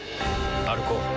歩こう。